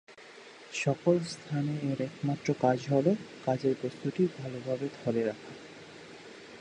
সকল স্থানে এর একমাত্র কাজ হোল কাজের বস্তুটি ভালোভাবে ধরে রাখা।